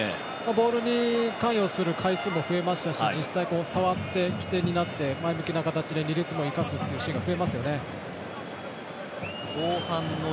ボールに関与する回数が増えましたし実際、触って起点になって前向きな形で２列目を生かすシーンが目立ちますよね。